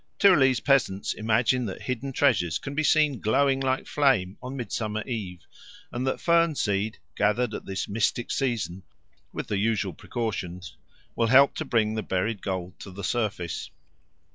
Tyrolese peasants imagine that hidden treasures can be seen glowing like flame on Midsummer Eve, and that fern seed, gathered at this mystic season, with the usual precautions, will help to bring the buried gold to the surface.